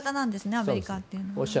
アメリカというのは。